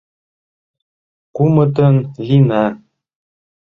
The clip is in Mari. Кумытын лийына...